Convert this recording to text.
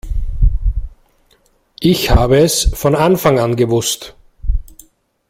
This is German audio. Ich habe es von Anfang an gewusst!